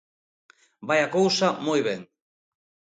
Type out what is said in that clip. Vai a cousa moi ben.